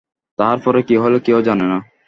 তাহার পরে কী হইল কেহ জানে না।